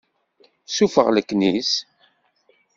Sufeɣ leknis.